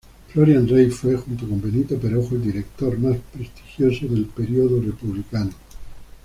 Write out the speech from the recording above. Florián Rey fue, junto con Benito Perojo, el director más prestigioso del período republicano.